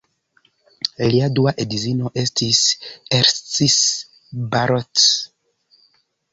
Lia dua edzino estis Erzsi Balogh.